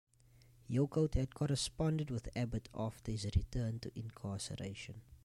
Hillcoat had corresponded with Abbott after his return to incarceration.